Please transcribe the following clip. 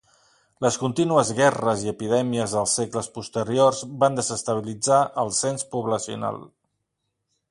Les contínues guerres i epidèmies dels segles posteriors van desestabilitzar el cens poblacional.